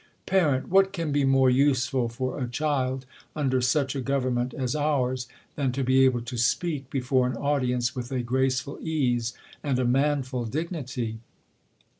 Par, What can be more useful for a child, under such a government as ours, than to be able to speak before an audience with a graceful ease, and a manful dignity